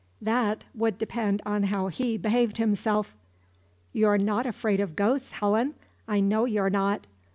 "That would depend on how he behaved himself." "You're not afraid of ghosts, Helen! I know you're not."